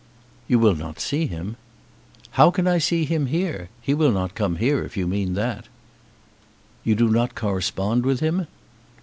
"You will not see him?" "How can I see him here? He will not come here, if you mean that." "You do not correspond with him?"